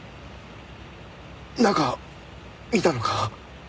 中見たのか？